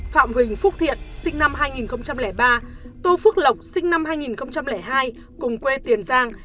phạm huỳnh phúc thiện sinh năm hai nghìn ba tô phước lộc sinh năm hai nghìn hai cùng quê tiền giang